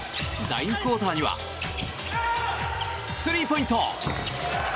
第２クオーターにはスリーポイント！